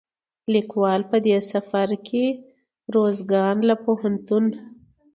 ليکوال په دې سفر کې روزګان له پوهنتون،